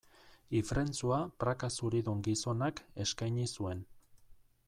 Ifrentzua praka zuridun gizonak eskaini zuen.